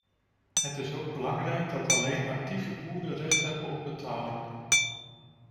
Het is ook belangrijk dat alleen actieve boeren recht hebben op betaling.